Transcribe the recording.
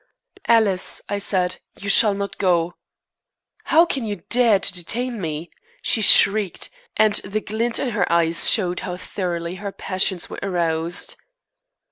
"Alice," I said, "you shall not go." "How can you dare to detain me?" she shrieked, and the glint in her eyes showed how thoroughly her passions were aroused.